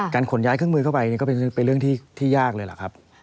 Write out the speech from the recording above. ขนย้ายเครื่องมือเข้าไปก็เป็นเรื่องที่ยากเลยล่ะครับ